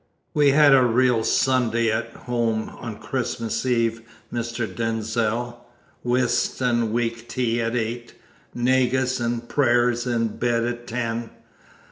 We had a real Sunday at home on Christmas Eve, Mr. Denzil. Whist and weak tea at eight, negus and prayers and bed at ten.